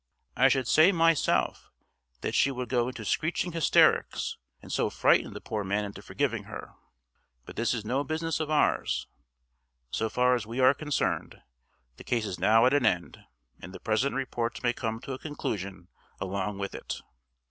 I should say myself that she would go into screeching hysterics, and so frighten the poor man into forgiving her. But this is no business of ours. So far as we are concerned, the case is now at an end, and the present report may come to a conclusion along with it.